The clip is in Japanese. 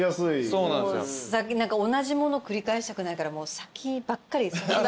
何か同じもの繰り返したくないから先ばっかり。